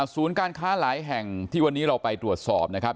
การค้าหลายแห่งที่วันนี้เราไปตรวจสอบนะครับ